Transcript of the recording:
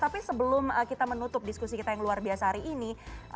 tapi sebelum kita menutup diskusi kita yang luar biasa hari ini